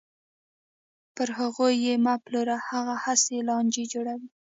پر هغوی یې مه پلوره، هغوی هسې لانجې جوړوي.